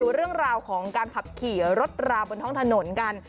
เรื่องราวของการขับขี่รถราบนท้องถนนกัน